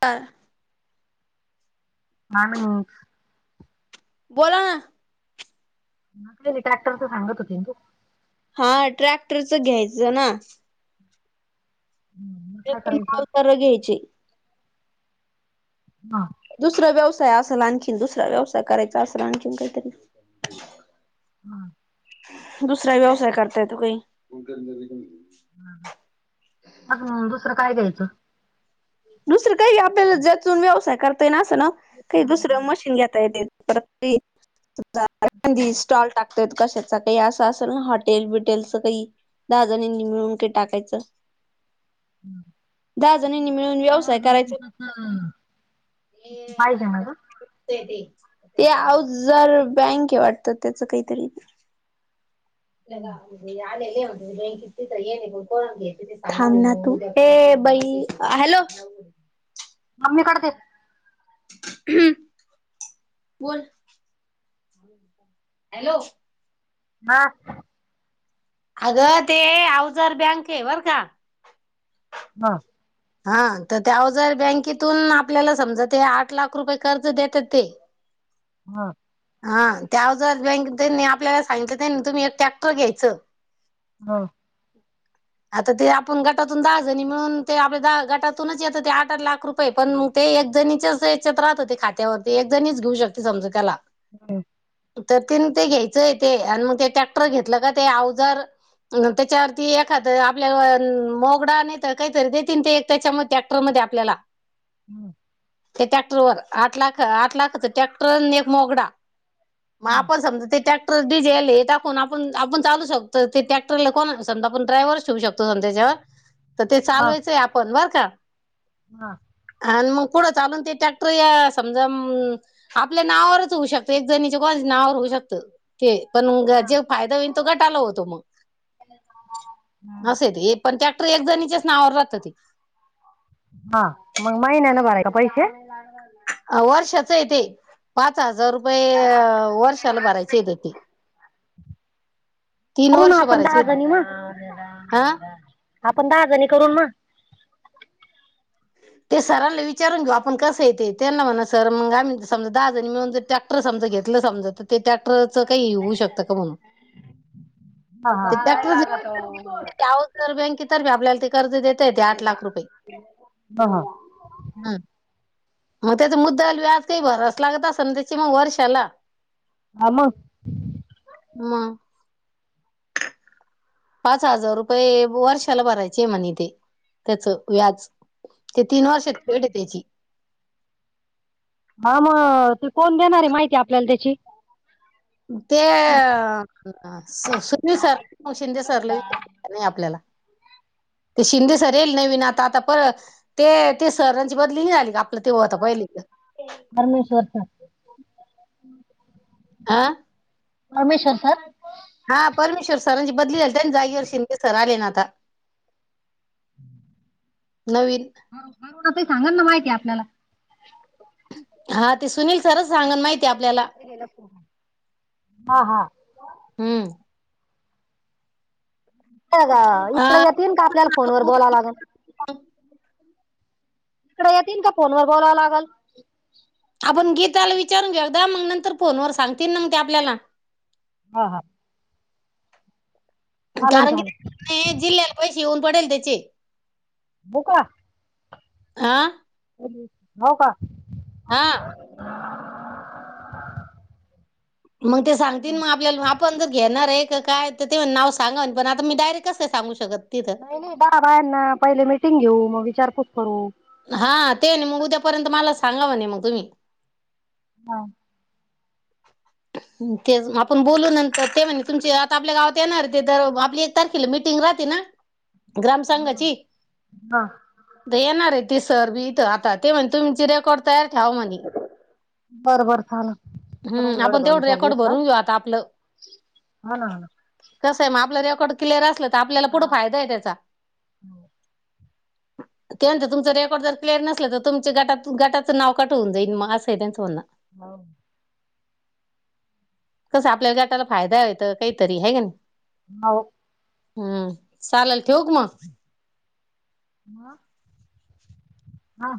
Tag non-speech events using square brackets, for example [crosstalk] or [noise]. आ. मा अप बोला ना? [unintelligible] ट्रॅक्टर हांगत होती न तु? हा ट्रॅक्टरच घ्यायचं ना. मग काय तेथील करायचं [unintelligible] घ्यायची. हा. दुसरा व्यवसाय असल आणखीन दुसरा व्यवसाय करायचा असल आणखीन काहीतरी. हम. दुसरा व्यवसाय करता येतो काही. अग म दुसर काय द्यायच. दुसरं काही आपल्याला ज्यातून व्यवसाय करता येईन अस न, काही मिक्सर मध्ये दुसरं काढायचं मशीन घेता येतेत परत [unintelligible] स्टॉल टाक. य कशाचा काही असेल ना हॉटेल बिटेलच काही दहा जणांनी काही टाकायचं [unintelligible] दहा जणींनी नि व्यवसाय करायचा पाहिजे ना ग ते आऊज जर बँके वाटत त्याच काहीतरी मी आलेले होते बॅकेत तेथे या कि न कोेत थांब ना तू ए बई हॅलो मम्मी कडे ते दे ह बोल हॅलो हा अगं ते अवजर बँक आहे बरं का? हा हा तर त्या अवजार बँकेतून आपल्याला समजा ते आठ लाख रुपये कर्ज देतात ते हा हा त्या अवजार बँक त्यांनी आपल्याला सांगितलं त्यांनी तुम्ही एक ट्रॅक्टर घ्यायचं हा आता ते आपण गटातून दहाजणी म्हणून ते आपल्या दहा गटातूनच येतं ते आठ आठ लाख रुपये पण मग ते एक जणीच्याच याच्यात राहते ते खात्यावरती एक जणीच घेऊ शकते समजा त्याला हम् तर ते ते घ्यायचंय ते आणि मग ते ट्रॅक्टर घेतलं का ते अवजार त्याच्यावरती एखादं आपल्याला मोगडा नाही तर काहीतरी देतील ते एक त्याच्यामध्ये त्या प्रमध्ये आपल्याला हम् [unintelligible] ते ट्रॅक्टर वर लाख आठ लाखच ट्रॅक्टर एक मोगडा मग आपण समजा ते त्या डीझेल हे टाकून आपण आपण चालू शकतो ते टॅक्टरला कोणाण समाजा ड्रायव्हचे ठेवू शकतो त्याच्यावर [unintelligible] तर ते चालवायचंय आपण बर का? हा आणि मग पुुढं चालून ते ट्रॅक्टर या समजा आपल्या नावावरच होऊ शकत एक जणीच्या कोणा नाववर होऊ शकत ते पण जे फायदा होईल तो गटाला होतो मग असं ते पण ट्रॅक्टर एक जणीच्याच नावावर राहतं ते हा मग महिन्यात भराय का पैसे ह [unintelligible] वर्षाच आहे ते, पाच हजार रुपये ते वर्षाला भरायचेत ते तीन करू ना वर्ष आपण भरायचे दहा होते जणी मग हा आपण दहा जणी करून मग ते सराला विचारून घेऊ आपण कसं येते त्यांना म्हणा सर मग आम्ही समजा दहा जणी मिळून ट्रॅक्टर समज घेत समज तर ते ट्रॅक्टरच काही होऊ शकतं का म्हणून ते हा ट्रॅक्टर लागत अवजार बँकेतर्फे कर्ज आपल्याला ते आठ लाख रुपये ह हा हम् मग त्याच मुद्दल, व्याज काही भरावच लागत असल ना त्याची मग वर्षाला. हा म म पाच हजार रुपये वर्षाला भरायचे म्हणे तेे, त्याच व्याज. ते तीन वर्षात फेड ये त्याची. हा म, ते कोण देणार आहे माहिती आपल्याला त्याची? ते अ स सुनील सर किंवा शिंदे सरला विचा नाही आपल्याला, ते शिंदे सर येेल नवीन आता, आता पर ते ते सरांची बदली नाही आली का, आपलं ते होता पहिले इथं? परमेश्वर सर आं परमेश्वर सर? हा परमेश्वर सरांची बदली झाली, त्याच जागीवर शिंदे सर आले ना आता. [unintelligible] नवीन करुणा ताई सांगल ना माहिती आपल्याला, हा ते सुनील सरच सांगन माहिती आपल्याला. हा हा हम्म काय ग, इकडे येतीन का आपल्याला फोनवर हा, बोलावं लागन? इकड येतीन, का फोनवर बोलावं लागल? आपण गीताला विचारून घेउद्या, मग नंतर फोनवर सांगतील ना मंग ते आपल्याला. हा हा चालन कारण की, चालेल [inaudible] जिल्ह्याला पैसे येउन पडेले त्याचे. बुका आ होव का? हा मंग ते सांगतील, म आपल्याला आपण जर घेणारे का काय त ते म्हणे नाव सांगा म्हणे, पण आता मी डायरेक्ट कस काय सांगू शकत ति नाय नाय, दहा बायांना पहिले मीटिंग घेऊ, मग विचारपूस करू हा, ते न मग उद्यापर्यंत मला सांगा म्हणे म तुम्ही. हा हम्म तेच म आपण बोलू नंतर, ते म्हणे तुमचे आता आपल्या गावात येणारे ते तर आपली तारखेला मिटिंग राहते ना, ग्राम संघाची हा त येणार आहेत ती सर बी इथं आता, ते म्हणे तुमची रेकॉर्ड तयार ठेवा म्हणी. बरबर, चाललं हम्म, आपण तेवढं रेकॉर्ड भरून घेऊ आता आपलं. हा ना हा कसय मग आपला रेकॉर्ड क्लिअर असलं तर, आपल्याला पुढं ना फायदा आहे त्याचा. [inaudible] ते म्हणत्या, तुमचा रेकॉर्ड जर क्लिअर नसलं तर तुमच गटात, गटाच नाव कट होऊन जाईल म, असं आहे त्यांच म्हणन. होव कसं, आपल्याला गटाला फायदा आहे त काहीतरी आहे का नयी. हाव हम्म, चालल ठेउ का म? ह [inaudible] हा हा